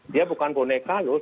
dia bukan boneka loh